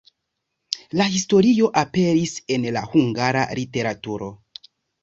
La historio aperis en la hungara literaturo.